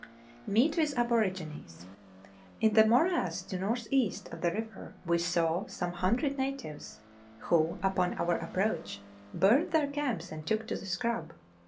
Meet with Aborigines. In the morass to north east of the river we saw some 100 natives, who, upon our approach, burnt their camps and took to the scrub.